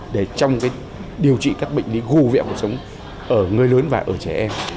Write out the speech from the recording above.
để trong điều trị các bệnh lý gù vẹo cuộc sống ở người lớn và ở trẻ em